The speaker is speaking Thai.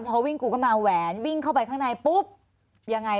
พอวิ่งกูก็มาแหวนวิ่งเข้าไปข้างในปุ๊บยังไง